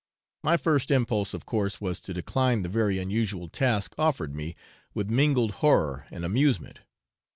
My first impulse of course was to decline the very unusual task offered me with mingled horror and amusement.